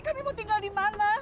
kami mau tinggal dimana